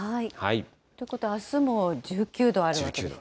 ということはあすも１９度あるわけですね。